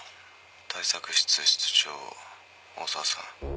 対策室室長大澤さん」